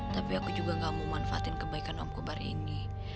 tapi aku juga gak mau manfaatin kebaikan om kobar ini